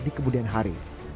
di kemudian hari